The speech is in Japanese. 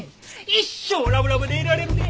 一生ラブラブでいられるで！